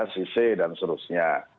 si c dan seterusnya